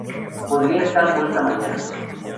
Podría estar muerta mañana.